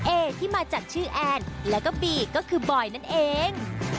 เอที่มาจากชื่อแอนแล้วก็บีก็คือบอยนั่นเอง